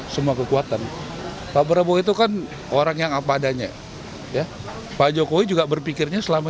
semua kekuatan pak prabowo itu kan orang yang apa adanya ya pak jokowi juga berpikirnya selama